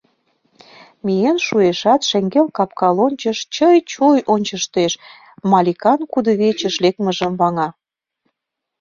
Миен шуэшат, шеҥгел капка лончыш чый-чуй ончыштеш, Маликан кудывечыш лекмыжым ваҥа.